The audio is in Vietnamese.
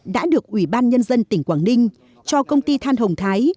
đã được ủy ban nhân dân tỉnh quảng ninh cho công ty than hồng thái